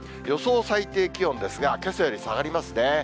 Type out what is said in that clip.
予想最低気温ですが、けさより下がりますね。